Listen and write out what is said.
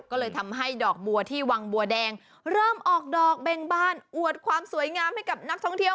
ก็เลยทำให้ดอกบัวที่วังบัวแดงเริ่มออกดอกเบ่งบานอวดความสวยงามให้กับนักท่องเที่ยว